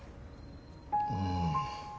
うん。